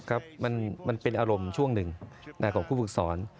ครับมันเป็นอารมณ์ช่วงหนึ่งของผู้ฝึกสอน